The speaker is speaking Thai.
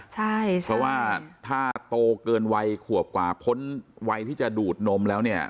เพราะว่าถ้าโตเกินวัยขวบกว่าพ้นวัยที่จะดูดนมแล้วเนี่ย